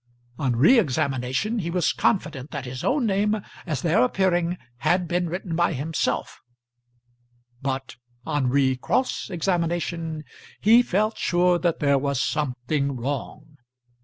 On re examination he was confident that his own name, as there appearing, had been written by himself; but on re cross examination, he felt sure that there was something wrong.